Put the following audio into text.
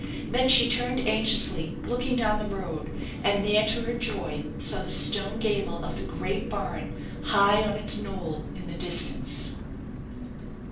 Then she turned anxiously, looking down the road, and there to her joy saw the stone gable of the great barn high on its knoll in the distance.